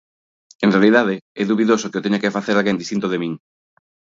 En realidade, é dubidoso que o teña que facer alguén distinto de min.